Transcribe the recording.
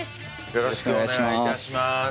よろしくお願いします。